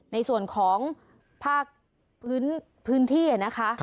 ในส่วนของภาคพื้นที่นะคะ